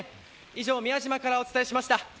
以上、宮島からお伝えしました。